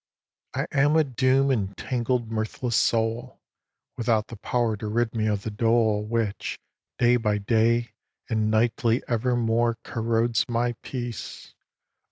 xx. I am a doom entangled mirthless soul, Without the power to rid me of the dole Which, day by day, and nightly evermore Corrodes my peace!